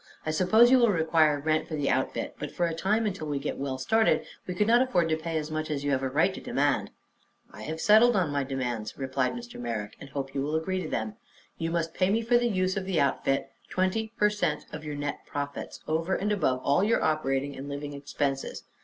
I suppose you will require rent for the outfit; but for a time, until we get well started, we could not afford to pay as much as you have a right to demand." "I have settled on my demands," replied Mr. Merrick, "and hope you will agree to them. You must pay me for the use of the outfit twenty per cent of your net profits, over and above all your operating and living expenses.